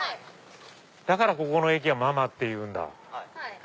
だからここの駅は「真間」っていうんだ。